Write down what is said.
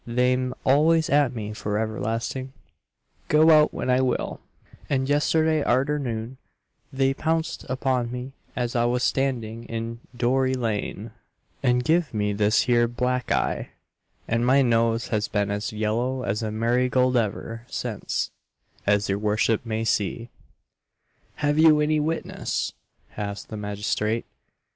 They'm always at me for everlasting, go out when I will; and yesterday _arter_noon they pounced upon me as I was standing in Doory lane, and give me this here black eye; and my nose has been as yellow as a marygoold ever since, as your worship may see." "Have you any witness?" asked the magistrate.